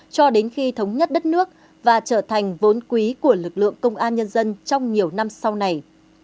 cho đến khi thống nhất đất nước và trở thành vốn quý của lực lượng công an nhân dân trong nhiều năm sau này